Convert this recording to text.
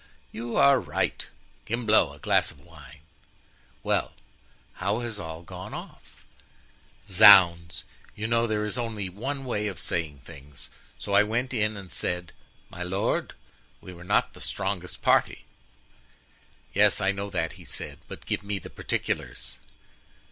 "You are right. Gimblou, a glass of wine." "Well, how has all gone off?" "Zounds! you know there's only one way of saying things, so I went in and said, 'My lord, we were not the strongest party.' "'Yes, I know that,' he said, 'but give me the particulars.